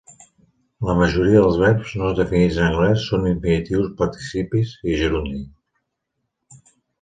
La majoria dels verbs no definits en anglès són infinitius, participis i gerundi.